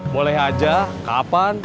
boleh aja kapan